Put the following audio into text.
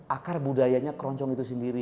akar budayanya keroncong itu sendiri